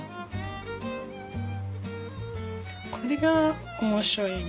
これが面白いよね